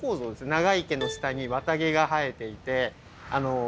長い毛の下に綿毛が生えていて。